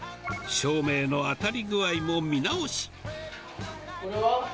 照明の当たり具合も見直し。